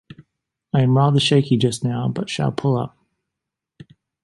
I am rather shaky just now, but shall pull up.